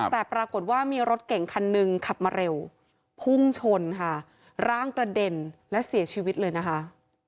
แต่ปรากฏว่ามีรถเก่งคันหนึ่งขับมาเร็วพุ่งชนค่ะร่างกระเด็นและเสียชีวิตเลยนะคะ